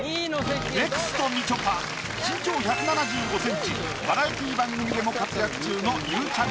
ネクストみちょぱ身長１７５センチバラエティー番組でも活躍中のゆうちゃみ